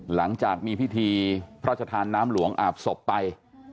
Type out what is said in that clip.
หลังจากมีพิธีพระชธานน้ำหลวงอาบศพไป